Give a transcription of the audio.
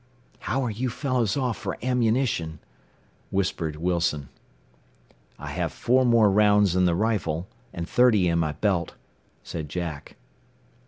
"How are you fellows off for ammunition?" whispered Wilson. "I have four more rounds in the rifle, and thirty in my belt," said Jack.